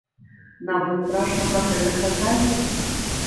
Нават страшна пра гэта казаць.